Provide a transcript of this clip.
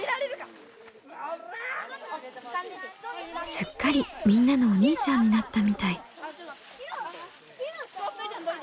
すっかりみんなのお兄ちゃんになったみたい。